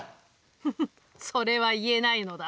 フフそれは言えないのだ。